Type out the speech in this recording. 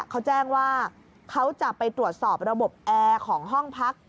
เขาแจ้งว่าเขาจะไปตรวจสอบระบบแอร์ของห้องพัก